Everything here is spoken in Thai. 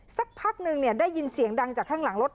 สักพักนึงได้ยินเสียงดังจากข้างหลังรถ